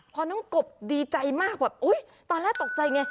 พอน้องกบดีใจมากแบบอุ๊ยตอนแรกตกใจไง